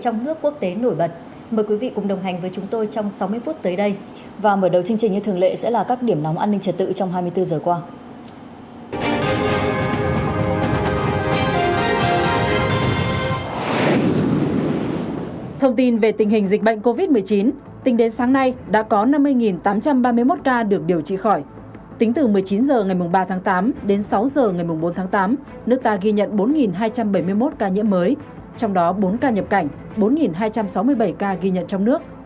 nước ta ghi nhận bốn hai trăm bảy mươi một ca nhiễm mới trong đó bốn ca nhập cảnh bốn hai trăm sáu mươi bảy ca ghi nhận trong nước